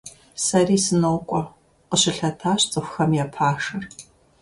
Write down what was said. Сэри сынокӀуэ, – къыщылъэтащ цӀыхухэм я пашэр.